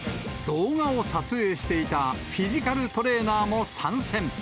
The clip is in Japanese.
動画を撮影していたフィジカルトレーナーも参戦。